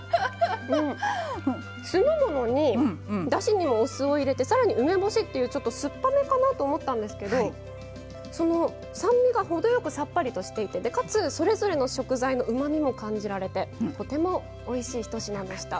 酢の物にだしにもお酢を入れてさらに梅干しっていうちょっと酸っぱめかなと思ったんですけどその酸味が程よくさっぱりとしていてかつそれぞれの食材のうまみも感じられてとてもおいしい１品でした。